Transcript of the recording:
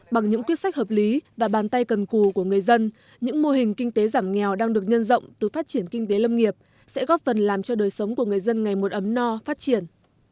bằng những quyết sách hợp lý và bàn tay cần cù của người dân những mô hình kinh tế giảm nghèo đang được nhân rộng từ phát triển kinh tế lâm nghiệp sẽ góp phần làm cho đời sống của người dân ngày một ấm no phát triển